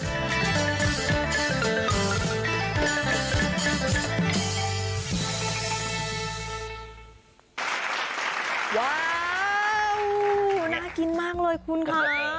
ว้าวน่ากินมากเลยคุณค่ะ